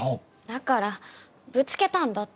だからぶつけたんだって。